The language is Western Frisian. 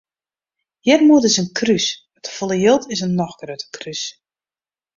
Earmoede is in krús mar te folle jild is in noch grutter krús.